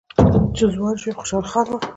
چې ځوان شوی خوشحال خان و